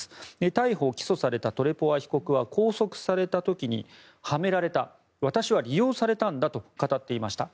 逮捕・起訴されたトレポワ被告は拘束された時にはめられた私は利用されたんだと語っていました。